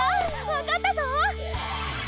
わかったぞ！